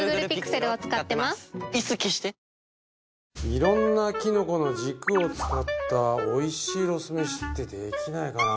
いろんなきのこの軸を使ったおいしいロスめしってできないかな